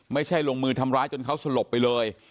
ไม่ใช่ลงมือทำร้ายจนเขาสลบไปเลย